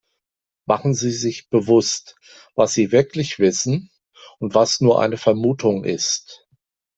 Machen Sie sich bewusst, was sie wirklich wissen und was nur eine Vermutung ist.